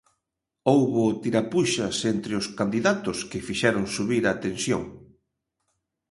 Houbo tirapuxas entre os candidatos que fixeron subir a tensión.